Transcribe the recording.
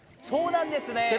そうなんですね。